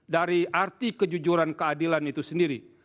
dari arti kejujuran keadilan itu sendiri